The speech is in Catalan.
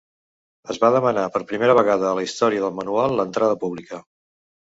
Es va demanar per primera vegada a la història del manual l'entrada pública.